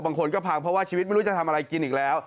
บางคนก็พังเพราะว่าชีวิตไม่รู้จะทำอะไรกินอีกแล้ว